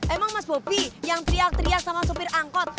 emang mas bobi yang teriak teriak sama sopir angkot